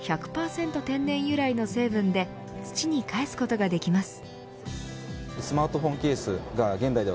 天然由来の成分で土に返すことができます。